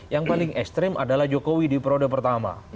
yang paling ekstrim adalah jokowi di periode pertama